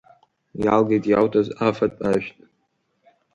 Иалгеит иауҭаз афатә-ажәтә…